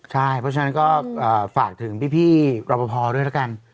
ใช่เพราะฉะนั้นก็ฝากถึงพี่รอปภด้วยแล้วกัน